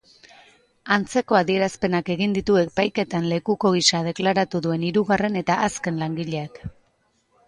Antzeko adierazpenak egin ditu epaiketan lekuko gisa deklaratu duen hirugarren eta azken langileak.